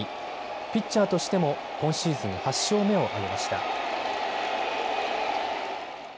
ピッチャーとしても今シーズン８勝目を挙げました。